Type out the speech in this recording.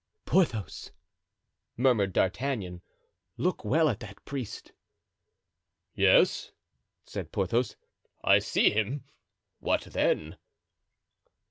("Porthos," murmured D'Artagnan, "look well at that priest." "Yes," said Porthos, "I see him. What then?"